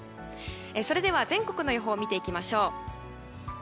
それでは全国の予報を見ていきましょう。